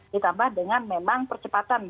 ditambah dengan memang percepatan